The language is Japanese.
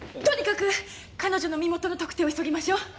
とにかく彼女の身元の特定を急ぎましょう。